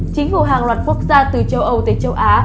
chính phủ hàng loạt quốc gia từ châu âu tới châu á